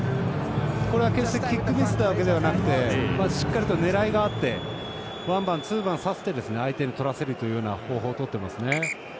これは決して、キックミスというわけではなくてしっかりと狙いがあってワンバウンドツーバウンドさせて相手に取らせるという方法をとっていますね。